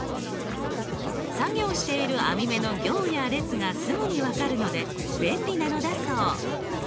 作業している網み目の行や列がすぐに分かるので便利なのだそう。